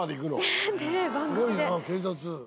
すごいな警察。